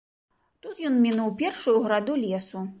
Тут ён мінуў першую граду лесу.